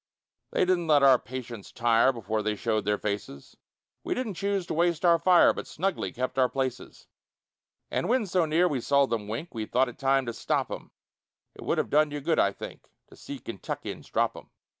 They didn't let our patience tire Before they show'd their faces; We didn't choose to waste our fire, But snugly kept our places; And when so near we saw them wink, We thought it time to stop 'em, It would have done you good, I think, To see Kentuckians drop 'em.